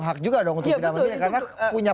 hak juga dong untuk nama dia karena punya